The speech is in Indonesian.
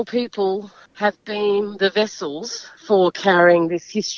telah menjadi kapal untuk menangani kisah ini